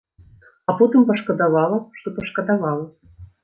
А потым пашкадавала, што пашкадавала.